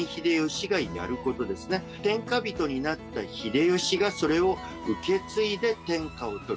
天下人になった秀吉がそれを受け継いで天下を取る。